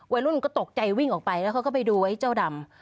วัยรุ่นก็ตกใจวิ่งออกไปแล้วเขาก็ไปดูไว้เจ้าดำ